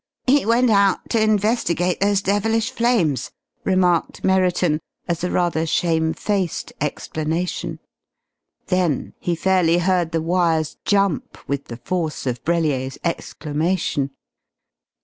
"He went out to investigate those devilish flames!" remarked Merriton, as a rather shamefaced explanation. Then he fairly heard the wires jump with the force of Brellier's exclamation.